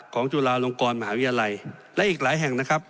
จุฬาลงกรมหาวิทยาลัยและอีกหลายแห่งนะครับ